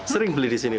sering beli di sini